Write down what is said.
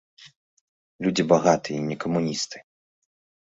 Людзі багатыя, не камуністы.